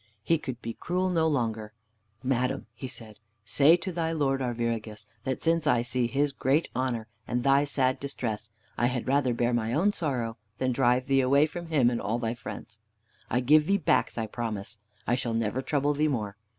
He could be cruel no longer. "Madam," he said, "say to thy lord Arviragus that since I see his great honor and thy sad distress, I had rather bear my own sorrow than drive thee away from him and all thy friends. I give thee back thy promise. I shall never trouble thee more.